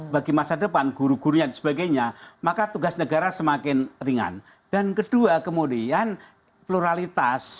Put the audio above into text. bagi masa depan guru gurunya dan sebagainya maka tugas negara semakin ringan dan kedua kemudian pluralitas